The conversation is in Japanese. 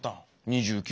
２９。